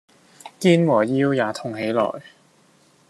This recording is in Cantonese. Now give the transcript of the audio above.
肩和腰也痛起來